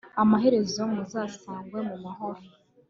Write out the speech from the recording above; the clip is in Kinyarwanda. amaherezo muzasangwe mu mahoro